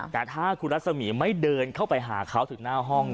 แต่ถ้าคุณรัศมีร์ไม่เดินเข้าไปหาเขาถึงหน้าห้อง